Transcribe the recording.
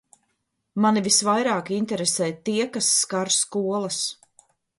Mani visvairāk interesē tie, kas skar skolas.